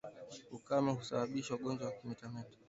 Ukame husababisha ugonjwa wa kimeta